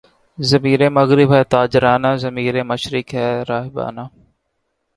ضمیرِ مغرب ہے تاجرانہ، ضمیر مشرق ہے راہبانہ